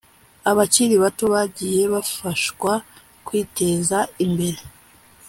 Abakiri bato bagiye bafashwa kw’iteza imbere